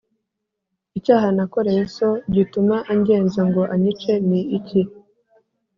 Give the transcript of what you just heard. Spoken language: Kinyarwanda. Icyaha nakoreye so gituma angenza ngo anyice ni iki?